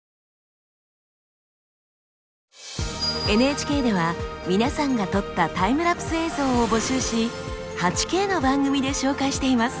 ＮＨＫではみなさんが撮ったタイムラプス映像を募集し８Ｋの番組で紹介しています。